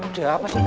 udah apa sih